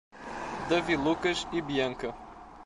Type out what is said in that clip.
Davi Lucas e Bianca